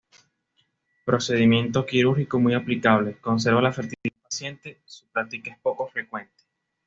Procedimiento quirúrgico muy aplicable, conserva la fertilidad del paciente, su práctica es poco frecuente.